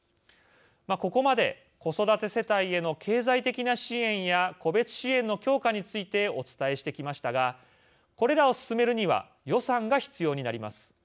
ここまで、子育て世帯への経済的な支援や個別支援の強化についてお伝えしてきましたがこれらを進めるには予算が必要になります。